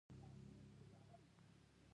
آیا صادراتي پروسه ساده شوې؟